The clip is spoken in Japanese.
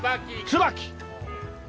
ツバキ！